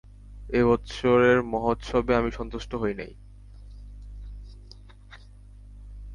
এই বৎসরের মহোৎসবে আমি সন্তুষ্ট হই নাই।